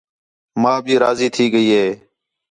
ماں بھی راضی تھی ڳئی ہی